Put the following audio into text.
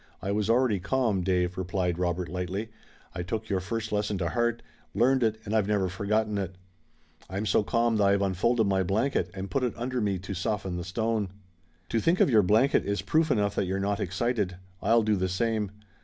"I was already calm, Dave," replied Robert lightly. "I took your first lesson to heart, learned it, and I've never forgotten it. I'm so calm that I've unfolded my blanket and put it under me to soften the stone." "To think of your blanket is proof enough that you're not excited. I'll do the same.